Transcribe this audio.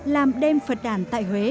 làm đêm phật đàn tại huế